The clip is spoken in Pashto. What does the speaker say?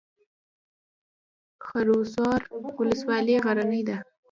خروار ولسوالۍ غرنۍ ده؟